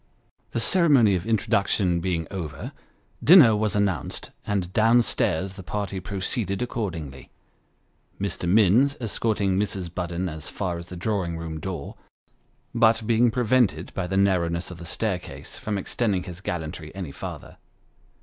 The ceremony of introduction being over, dinner was announced, and down stairs the party proceeded accordingly Mr. Minns escorting Mrs. Budden as far as the drawing room door, but being prevented, by the narrowness of the staircase, from extending his gallantry any farther.